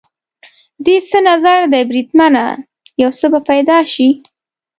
دې څه نظر دی بریدمنه؟ یو څه به پیدا شي.